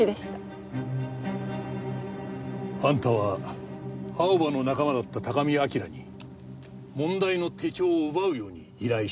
あんたは青葉の仲間だった高見明に問題の手帳を奪うように依頼した。